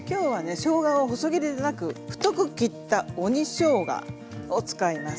しょうがを細切りでなく太く切った「鬼しょうが」を使います。